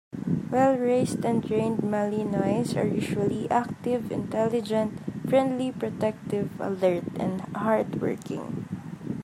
Well-raised and trained Malinois are usually active, intelligent, friendly, protective, alert and hard-working.